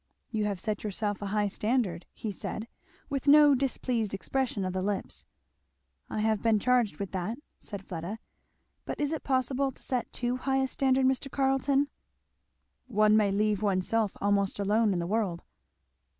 "You have set yourself a high standard," he said, with no displeased expression of the lips. "I have been charged with that," said Fleda; "but is it possible to set too high a standard, Mr. Carleton?" "One may leave oneself almost alone in the world."